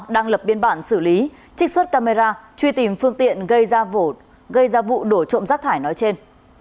đang lập biên bản xử lý trích xuất camera truy tìm phương tiện gây ra vụ đổ trộm rác thải nói trên